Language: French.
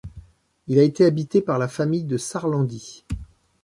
Il a été habité par la famille de Sarlandie.